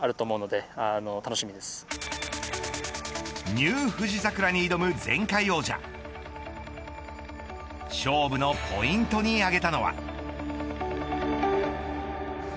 ニュー富士桜に挑む前回王者勝負のポイントに挙げたのは。